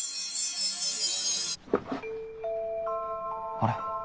あれ？